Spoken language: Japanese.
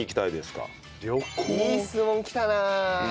いい質問来たな。